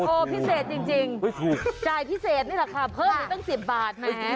โอ้พิเศษจริงจ่ายพิเศษนี่ราคาเพิ่มนี้ตั้ง๑๐บาทไหม